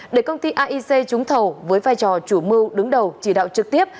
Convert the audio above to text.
để công ty aic trúng thầu với vai trò chủ mưu đứng đầu chỉ đạo trực tiếp